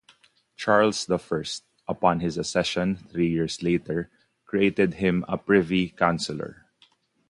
Charles the First, upon his accession three years later, created him a privy councillor.